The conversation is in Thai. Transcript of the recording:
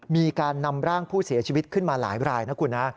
มีการนำร่างผู้เสียชีวิตขึ้นมาหลายรายนะคุณนะ